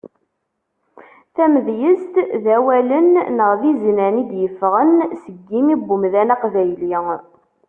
Tamedyezt, d awalen neɣ d inzan i d-yeffɣen seg yimi n umdan aqbayli.